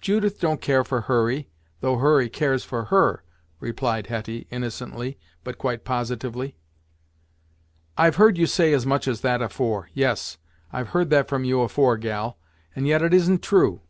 "Judith don't care for Hurry, though Hurry cares for her," replied Hetty innocently, but quite positively. "I've heard you say as much as that afore; yes, I've heard that from you, afore, gal, and yet it isn't true.